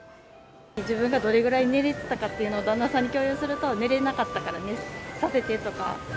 自分がどのぐらい寝れてたかっていうのを旦那さんに共有すると、寝れなかったから寝かせてとか。